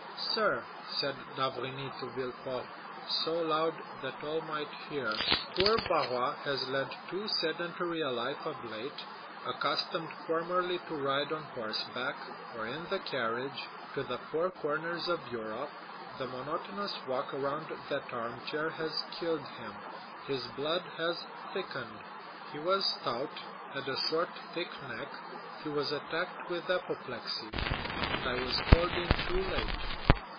"Sir," said d'Avrigny to Villefort, so loud that all might hear, "poor Barrois has led too sedentary a life of late; accustomed formerly to ride on horseback, or in the carriage, to the four corners of Europe, the monotonous walk around that armchair has killed him—his blood has thickened. He was stout, had a short, thick neck; he was attacked with apoplexy, and I was called in too late.